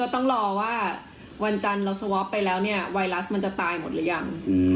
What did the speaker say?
ต้องรอว่าวันจันทร์เราสวอปไปแล้วเนี่ยไวรัสมันจะตายหมดหรือยัง